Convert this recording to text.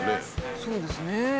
そうですね。